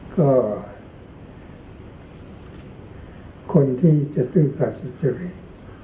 ก็คนที่จะซื่อสัตว์สุจริต